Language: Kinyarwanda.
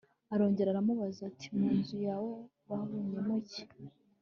arongera aramubaza ati mu nzu yawe babonyemo iki